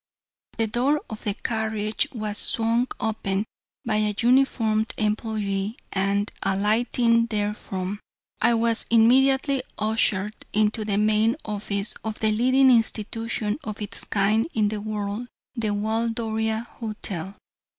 The door of the carriage was swung open by a uniformed employee, and, alighting therefrom, I was immediately ushered into the main office of the leading institution of its kind in the World the Waldoria Hotel.